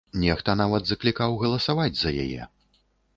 Нехта нават заклікаў галасаваць за яе.